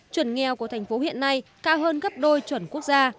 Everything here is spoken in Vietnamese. chuẩn nghèo của thành phố hiện nay cao hơn gấp đôi chuẩn quốc gia